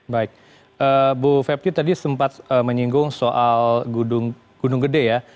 baik bu fepti tadi sempat menyinggung soal gunung gede ya